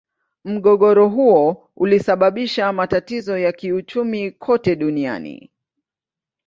Mgogoro huo ulisababisha matatizo ya kiuchumi kote duniani.